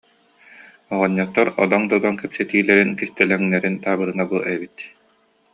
Оҕонньоттор одоҥ-додоҥ кэпсэтиилэрин, кистэлэҥнэрин таабырына бу эбит